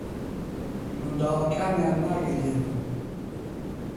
منداڵەکانیان ناگریێنم.